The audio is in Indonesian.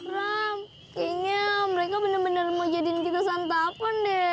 ram kayaknya mereka benar benar mau jadiin kita santapan deh